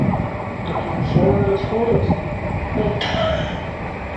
Defensor de los fueros, terminó inscrito en el republicanismo.